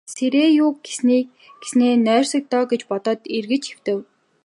Сэрээе юү гэснээ нойрсог доо гэж бодоод эргэж хэвтэв.